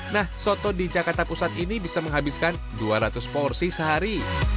nah soto di jakarta pusat ini bisa menghabiskan dua ratus porsi sehari